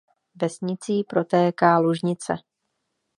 Vesnicí protéká Lužnice.